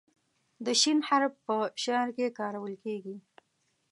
د "ش" حرف په شعر کې کارول کیږي.